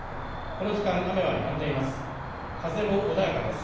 この時間、雨はやんでいます。